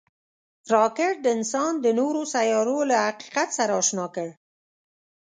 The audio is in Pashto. راکټ انسان د نورو سیارو له حقیقت سره اشنا کړ